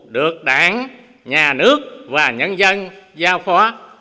được đảng nhà nước và nhân dân giao phó